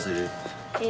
え